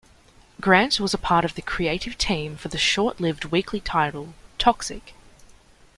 Grant was part of the creative team for the short-lived weekly title Toxic!